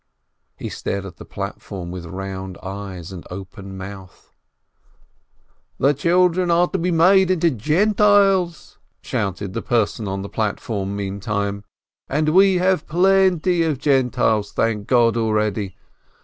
He stared at the platform with round eyes and open mouth. "The children are to be made into Gentiles," shouted the person on the platform meantime, "and we have plenty of Gentiles, thank God, already